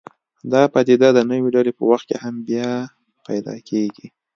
دا پدیده د نوې ډلې په وخت کې هم بیا پیدا کېږي.